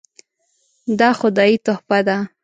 دا خدایي تحفه ده .